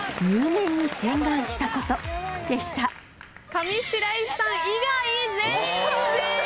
上白石さん以外全員正解です。